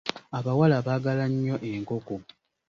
Abawala baagala nnyo enkoko.